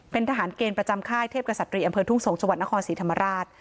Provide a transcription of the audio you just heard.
เป็นทหารเกณฑ์ประจำค่ายเทพกษัตรีอำเภอทุ่งสงศ์จังหวัดนครศรีธรรมราช